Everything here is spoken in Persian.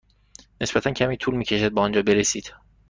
نسبتا کمی طول می کشد به آنجا برسید.